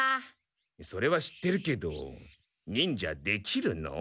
それは知ってるけど忍者できるの？